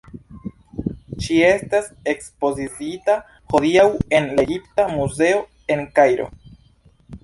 Ĝi estas ekspoziciita hodiaŭ en la Egipta Muzeo en Kairo.